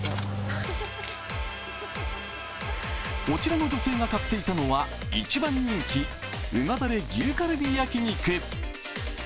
こちらの女性が買っていたのは、一番人気、旨だれ牛カルビ焼肉。